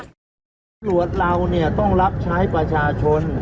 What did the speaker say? ตำรวจเราเนี่ยต้องรับใช้ประชาชน